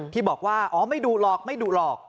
ที่บอกว่าไม่ดูหลอกไม่ดูหลอก